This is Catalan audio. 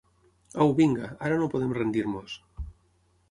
Au, vinga, ara no podem rendir-nos!